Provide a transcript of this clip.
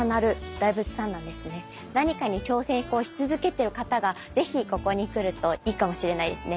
何かに挑戦し続けてる方が是非ここに来るといいかもしれないですね。